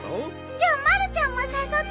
じゃあまるちゃんも誘っていい？